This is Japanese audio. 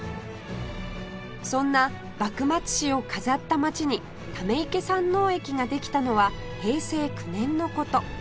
そんな幕末史を飾った街に溜池山王駅ができたのは平成９年の事